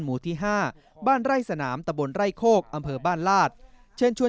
หมู่ที่๕บ้านไร่สนามตะบนไร่โคกอำเภอบ้านลาดเชิญชวน